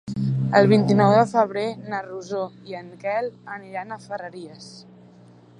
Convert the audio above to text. El vint-i-nou de febrer na Rosó i en Quel aniran a Ferreries.